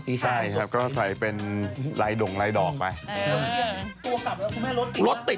สีสาของสดสีใช่ครับก็ใส่เป็นลายดงลายดอกไปเออ